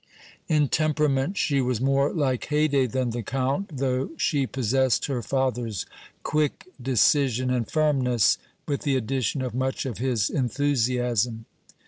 In temperament she was more like Haydée than the Count, though she possessed her father's quick decision and firmness, with the addition of much of his enthusiasm.